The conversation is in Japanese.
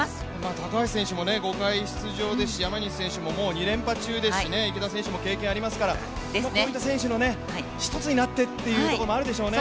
高橋選手も５回出場ですし山西選手も２連覇中ですし、池田選手も経験ありますからこういった選手のね一つになってというところもあるでしょうね。